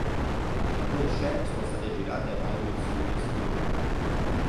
Alcune scene sono state girate ai Pinewood Studios di Londra.